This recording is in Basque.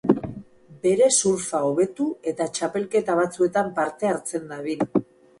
Bere surfa hobetu eta txapelketa batzuetan parte hartzen dabil.